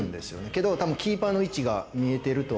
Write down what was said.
けど多分キーパーの位置が見えてるとは思うので。